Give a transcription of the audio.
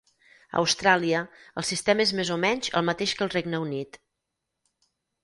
A Austràlia, el sistema és més o menys el mateix que al Regne Unit.